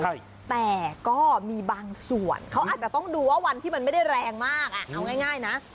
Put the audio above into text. ใช่แต่ก็มีบางส่วนเขาอาจจะต้องดูว่าวันที่มันไม่ได้แรงมากอ่ะเอาง่ายนะ